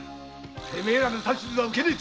てめえらの指図は受けねえ！